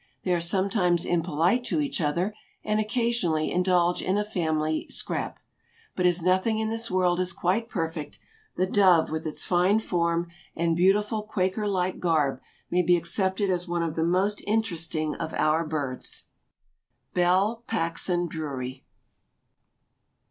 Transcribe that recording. They are sometimes impolite to each other and occasionally indulge in a family "scrap." But as nothing in this world is quite perfect, the dove with its fine form, and beautiful quaker like garb, may be accepted as one of the most interesting of our birds. Belle Paxson Drury.